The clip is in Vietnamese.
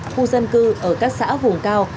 khu dân cư ở các xã vùng cao